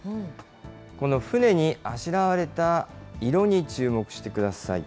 この船にあしらわれた色に注目してください。